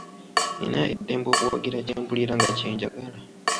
Nina eddembe okuwagira kye mpulira nga kye njagala.